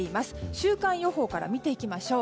週間予報から見ていきましょう。